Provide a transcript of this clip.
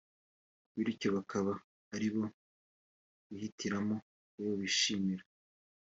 bityo bakaba aribo bihitiramo uwo bashimira